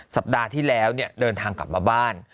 สัปดาห์ที่แล้วเดินทางกลับมาบ้าน